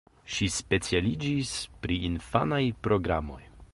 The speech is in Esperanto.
Ŝi specialiĝis pri infanaj programoj.